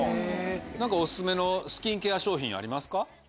何かオススメのスキンケア商品ありますか？